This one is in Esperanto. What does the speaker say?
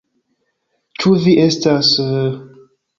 Ĉu vi estas...